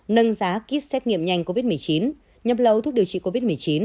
nâng giá kýt xét nghiệm nhanh covid một mươi chín nhập lấu thuốc điều trị covid một mươi chín